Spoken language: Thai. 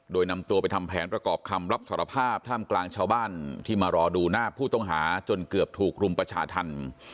โดยนำตัวไปทำแผนประกอบคำรับสารภาพท่ามกลางชาวบ้านที่มารอดูหน้าผู้ต้องหาจนเกือบถูกรุมประชาธรรม